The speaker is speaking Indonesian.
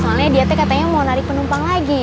soalnya dia teh katanya mau narik penumpang lagi